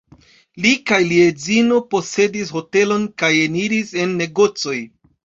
Li kaj lia edzino posedis hotelon kaj eniris en negocoj.